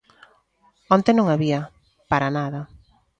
Onte non había, para nada.